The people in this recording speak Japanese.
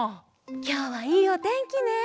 きょうはいいおてんきね！